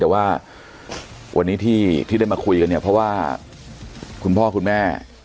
แต่ว่าวันนี้ที่ได้มาคุยกันเนี่ยเพราะว่าคุณพ่อคุณแม่